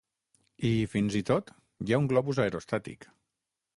I, fins i tot, hi ha un globus aerostàtic.